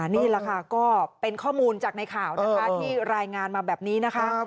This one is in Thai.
นี่แหละค่ะก็เป็นข้อมูลจากในข่าวนะคะที่รายงานมาแบบนี้นะคะ